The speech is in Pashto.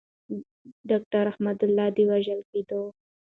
داکتر احمد الله د وژل کیدو.